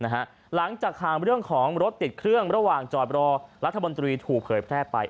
หลังจากข่าวเรื่องของรถติดเครื่องระหว่างจอดรอรัฐมนตรีถูกเผยแพร่ไป